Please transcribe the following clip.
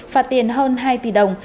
phạt tiền hơn hai tỷ đồng